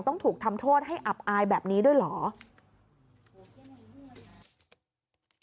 ต้องถูกทำโทษให้อับอายแบบนี้ด้วยเหรอ